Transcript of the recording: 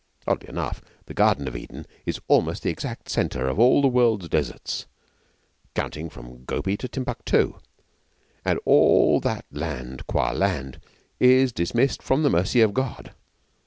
Oddly enough, the Garden of Eden is almost the exact centre of all the world's deserts, counting from Gobi to Timbuctoo; and all that land qua land is 'dismissed from the mercy of God.'